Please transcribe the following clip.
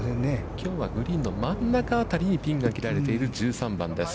きょうはグリーンの真ん中辺りにピンが切られている１３番です。